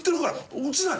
落ちない。